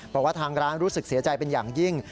บอกว่าทางร้านรู้สึกเสียใจเป็นอย่างยิ่ง